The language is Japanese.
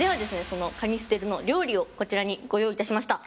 そのカニステルの料理をこちらにご用意いたしました。